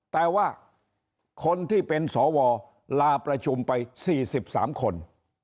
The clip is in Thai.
แต่ว่าคนที่เป็นสวลาประชุมไป๔๓คน